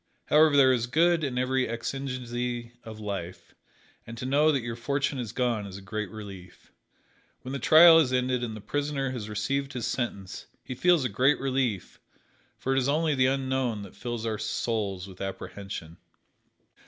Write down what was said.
However, there is good in every exigency of life, and to know that your fortune is gone is a great relief. When the trial is ended and the prisoner has received his sentence, he feels a great relief, for it is only the unknown that fills our souls with apprehension.